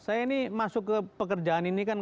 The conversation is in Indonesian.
saya ini masuk ke pekerjaan ini kan